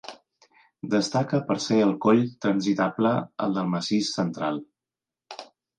Destaca per ser el coll transitable al del Massís Central.